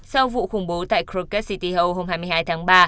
sau vụ khủng bố tại krakow city hall hôm hai mươi hai tháng ba